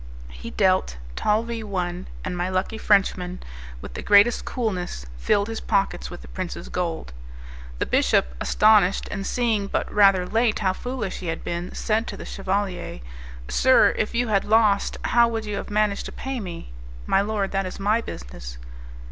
He dealt, Talvis won, and my lucky Frenchman, with the greatest coolness, filled his pockets with the prince's gold. The bishop, astonished, and seeing but rather late how foolish he had been, said to the chevalier, "Sir, if you had lost, how would you have managed to pay me?" "My lord, that is my business."